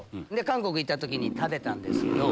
韓国行った時に食べたんですけど。